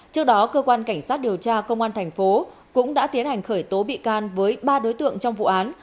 trước đó cơ quan cảnh sát điều tra công an thành phố cũng đã tiến hành khởi tố bị can với ba đối tượng trong vụ án